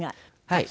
はい。